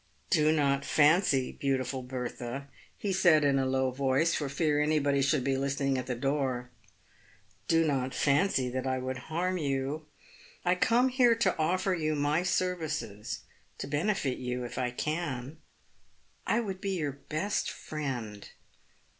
" Do not fancy, beautiful Bertha," he said, in a low voice, for fear anybody should be listening at the door —" do not fancy that I would harm you. I come here to offer you my services — to benefit you, if I can. I would be your best friend.